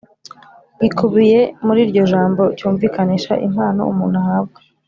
gikubiye muri iryo jambo cyumvikanisha impano umuntu ahabwa